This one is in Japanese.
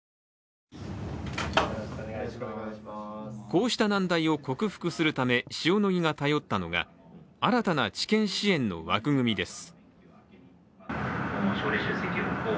こうした難題を克服するため、塩野義が頼ったのが新たな治験支援の枠組みです。